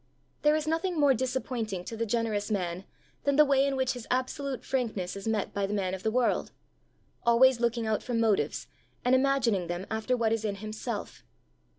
There is nothing more disappointing to the generous man than the way in which his absolute frankness is met by the man of the world always looking out for motives, and imagining them after what is in himself.